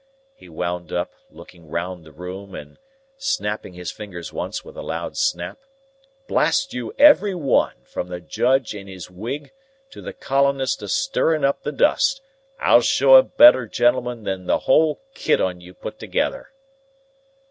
he wound up, looking round the room and snapping his fingers once with a loud snap, "blast you every one, from the judge in his wig, to the colonist a stirring up the dust, I'll show a better gentleman than the whole kit on you put together!"